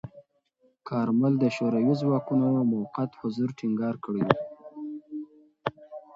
کارمل د شوروي ځواکونو موقت حضور ټینګار کړی و.